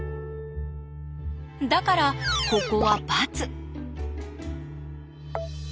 だからここはバツ。